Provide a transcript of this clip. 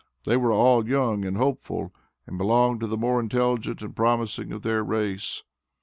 They were all young and hopeful, and belonged to the more intelligent and promising of their race.